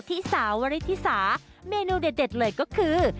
ที่สาววริธิสาเมนูเด็ดเลยก็คือ